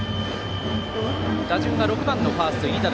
打順が６番、ファースト、飯田。